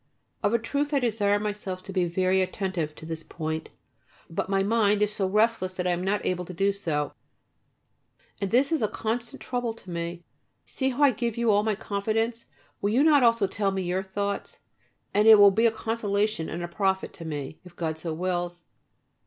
Of a truth I desire myself to be very attentive to this point, but my mind is so restless that I am not able to do so, and this is a constant trouble to me. See how I give you all my confidence. Will you not also tell me your thoughts, and it will be a consolation and a profit to me, if God so wills.